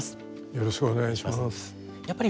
よろしくお願いします。